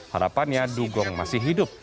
harapannya dugong masih hidup